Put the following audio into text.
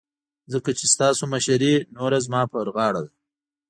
ځکه چې ستاسو مشرې نوره زما په غاړه ده.